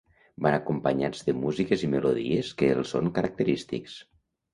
Van acompanyats de músiques i melodies que els són característics.